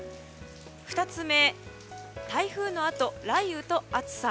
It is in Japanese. ２つ目台風のあと、雷雨と暑さ。